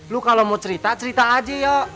lo kalau mau cerita cerita aja yok